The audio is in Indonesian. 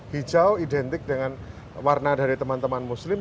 hijau identik dengan warna dari teman teman muslim